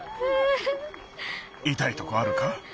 いたいとこあるか？